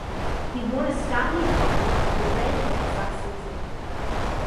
He won a Stanley Cup with the Red Wings that season.